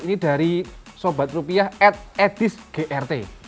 ini dari sobat rupiah at edis grt